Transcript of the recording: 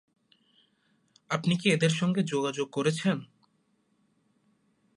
আপনি কি এদের সঙ্গে যোগাযোগ করেছেন?